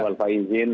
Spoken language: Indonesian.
dan juga ada